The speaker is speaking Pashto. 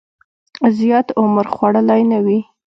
زیات عمر خوړلی نه وي.